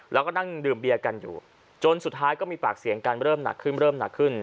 แล้วก็นั่งดื่มเบียร์กันอยู่จนสุดท้ายก็มีปากเสียงกันเริ่มหนักขึ้นเริ่มหนักขึ้น